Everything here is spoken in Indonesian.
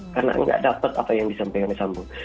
karena nggak dapat apa yang disampaikan di sambu